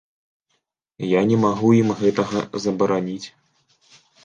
Я не магу ім гэтага забараніць.